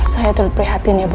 saya terperhatin ya bu